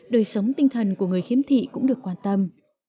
đời sống tinh thần của người khiếm thị cũng được quan tâm